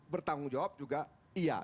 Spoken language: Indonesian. bertanggung jawab juga iya